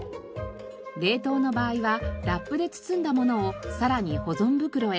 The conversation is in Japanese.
冷凍の場合はラップで包んだものをさらに保存袋へ。